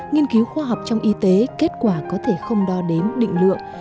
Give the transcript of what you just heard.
nghiên cứu khoa học trong y tế kết quả có thể không đo đếm định lượng